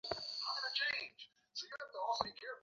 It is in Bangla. স্নান করে নে জলদি, মাগী।